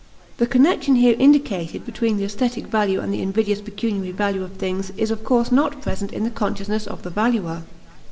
The connection here indicated between the aesthetic value and the invidious pecuniary value of things is of course not present in the consciousness of the valuer.